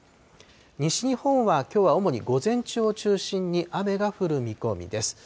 西日本はきょうは主に午前中を中心に雨が降る見込みです。